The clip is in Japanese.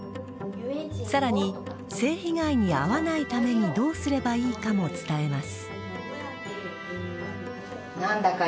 さらに性被害に遭わないためにどうすればいいかも伝えます。